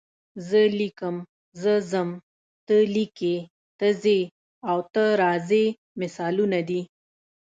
زه لیکم، زه ځم، ته لیکې، ته ځې او ته راځې مثالونه دي.